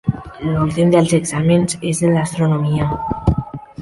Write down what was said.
L'últim dels exàmens és el d'Astronomia.